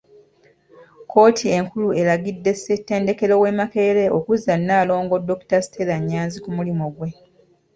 Kkooti enkulu eragidde Ssettendekero w'e Makerere okuzza Nalongo Dokita Stella Nyanzi ku mulimu gwe.